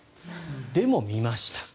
でも見ました。